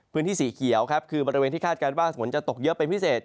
พื้นที่สีเขียวครับคือบริเวณที่คาดการณ์ว่าฝนจะตกเยอะเป็นพิเศษ